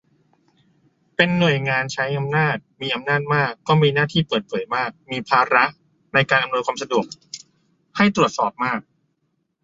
เป็นหน่วยงานใช้อำนาจ มีอำนาจมาก ก็มีหน้าที่เปิดเผยมาก มีภาระในการอำนวยความสะดวกให้ตรวจสอบมาก